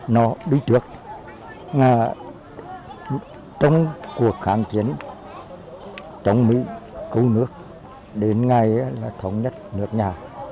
nó đi trước trong cuộc kháng chiến trong mỹ cầu nước đến ngày thống nhất nước nhà